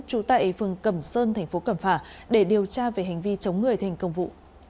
trú tại phường cẩm sơn thành phố cẩm phả để điều tra về hành vi chống người thành công vụ